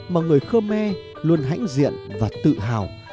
mà người khơ me luôn hãnh diện và tự hào